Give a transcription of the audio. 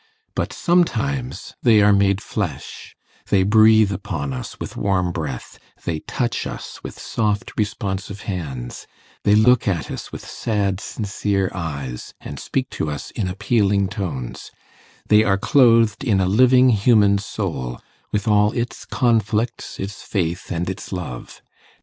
But sometimes they are made flesh; they breathe upon us with warm breath, they touch us with soft responsive hands, they look at us with sad sincere eyes, and speak to us in appealing tones; they are clothed in a living human soul, with all its conflicts, its faith, and its love.